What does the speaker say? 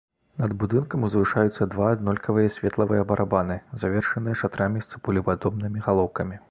Над будынкам узвышаюцца два аднолькавыя светлавыя барабаны, завершаныя шатрамі з цыбулепадобнымі галоўкамі.